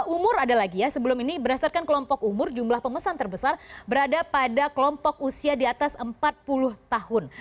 umur ada lagi ya sebelum ini berdasarkan kelompok umur jumlah pemesan terbesar berada pada kelompok usia di atas empat puluh tahun